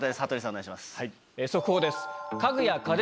お願いします。